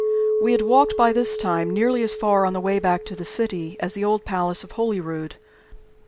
We had walked by this time nearly as far on the way back to the city as the old Palace of Holyrood.